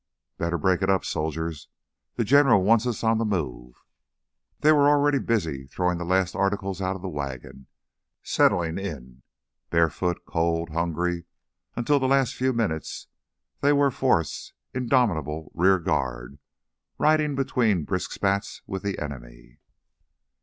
"Better break it up, soldiers. The General wants us on the move." They were already busy throwing the last articles out of the wagon, settling in. Barefoot, cold, hungry, until the last few minutes, they were Forrest's indomitable rear guard, riding between brisk spats with the enemy.